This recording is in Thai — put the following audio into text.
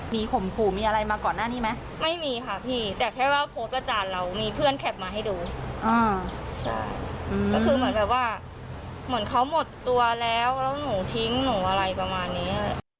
มีข่มขู่มีอะไรมาก่อนหน้านี้ไหมไม่มีค่ะพี่แต่แค่ว่าโพสต์ประจานเรามีเพื่อนแคปมาให้ดูใช่ก็คือเหมือนแบบว่าเหมือนเขาหมดตัวแล้วแล้วหนูทิ้งหนูอะไรประมาณนี้